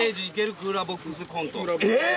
クーラーボックスコえー！